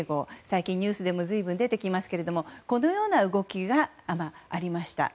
最近、ニュースでも随分出てきますけどもこのような動きがありました。